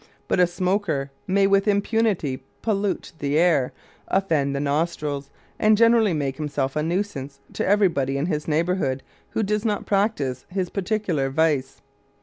But a smoker may with impunity pollute the air, offend the nostrils, and generally make himself a nuisance to everybody in his neighborhood who does not practise his particular vice.